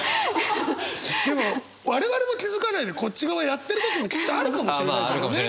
でも我々も気付かないでこっち側やってる時もきっとあるかもしれないからね。